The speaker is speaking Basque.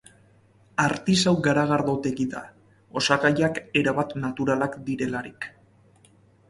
Artisau garagardotegi da, osagaiak erabat naturalak direlarik.